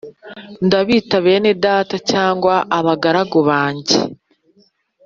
Ndabita bene data cyangwa abagaragu banjye